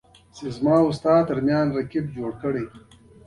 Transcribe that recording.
انسانيت په هر مسلک کې یو مضمون وای